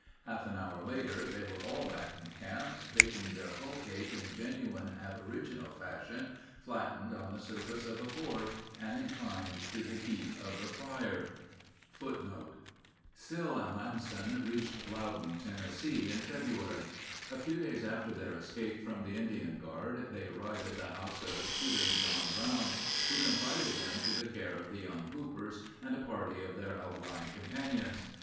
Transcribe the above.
Half an hour later they were all back in camp, baking their hoe cake in genuine aboriginal fashion, flattened on the surface of a board and inclined to the heat of the fire. [Footnote 19: Sill and Lamson reached Loudon, Tennessee, in February. A few days after their escape from the Indian guard they arrived at the house of "Shooting John Brown," who confided them to the care of the young Hoopers and a party of their outlying companions.